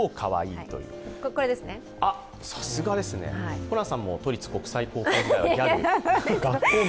さすがですね、ホランさんも都立国際高校時代はギャル？